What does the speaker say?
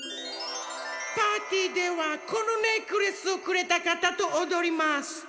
パーティーではこのネックレスをくれたかたとおどります。